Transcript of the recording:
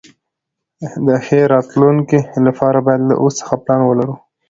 د ښې راتلونکي لپاره باید له اوس څخه پلان ولرو.